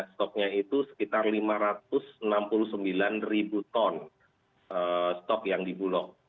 stoknya itu sekitar lima ratus enam puluh sembilan ribu ton stok yang dibulok